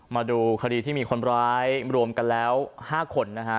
มาดูคดีที่มีคนร้ายรวมกันแล้ว๕คนนะฮะ